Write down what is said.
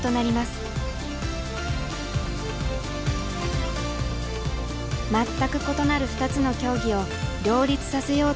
全く異なる２つの競技を両立させようという桃佳。